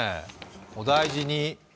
お大事に。